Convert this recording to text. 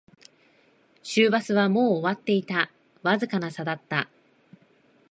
終バスはもう終わっていた、わずかな差だった